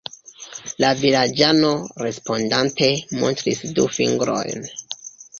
La vilaĝano, respondante, montris du fingrojn.